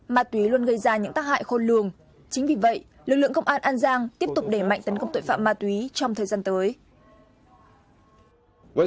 ma túy luôn gây ra những tác hại khôn lường chính vì vậy lực lượng công an an giang tiếp tục đẩy mạnh tấn công tội phạm ma túy trong thời gian tới